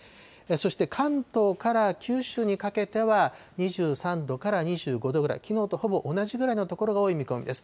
そして関東から九州にかけては２３度から２５度ぐらい、きのうとほぼ同じぐらいの所が多い見込みです。